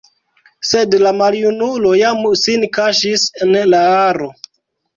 Sed la maljunulo jam sin kaŝis en la aro.